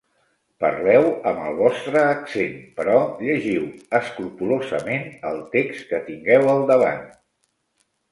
Parleu amb el vostre accent però llegiu escrupolosament el text que tingueu al davant.